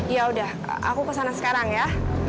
ya udah aku kesana sekarang ya